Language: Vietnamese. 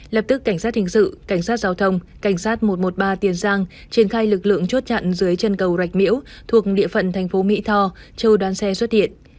lập tức cảnh sát hình sự cảnh sát giao thông cảnh sát một trăm một mươi ba tiền giang triển khai lực lượng chốt chặn dưới chân cầu rạch miễu thuộc địa phận thành phố mỹ tho trừ đoàn xe xuất hiện